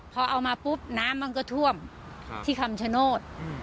พอเอามาปุ๊บน้ำมันก็ท่วมที่คำชโนธ